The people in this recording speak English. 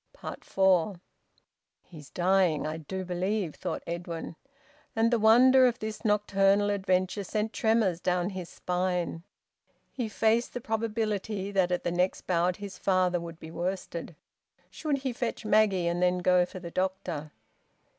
FOUR. "He's dying, I do believe," thought Edwin, and the wonder of this nocturnal adventure sent tremors down his spine. He faced the probability that at the next bout his father would be worsted. Should he fetch Maggie and then go for the doctor?